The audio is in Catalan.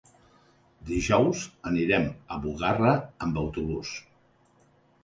Dijous anirem a Bugarra amb autobús.